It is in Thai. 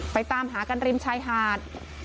ตามหากันริมชายหาด